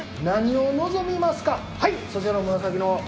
何を望みますか？